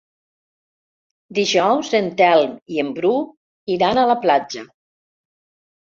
Dijous en Telm i en Bru iran a la platja.